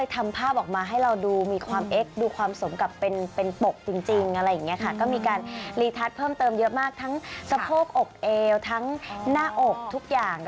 ทั้งโภคอกเอลทั้งหน้าอกทุกอย่าง